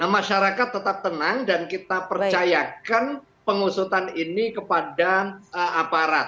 masyarakat tetap tenang dan kita percayakan pengusutan ini kepada aparat